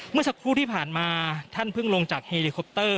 เมื่อสักครู่ที่ผ่านมาท่านเพิ่งลงจากเฮลิคอปเตอร์